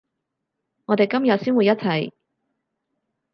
我哋今日先會一齊